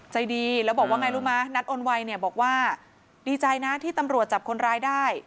ใจดีแล้วบอกว่าไงรู้มั้นัดโอนไวเนี่ยบอกว่าดีใจนะที่ตำรวจจับคนร้ายได้